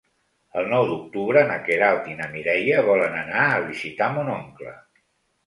El nou d'octubre na Queralt i na Mireia volen anar a visitar mon oncle.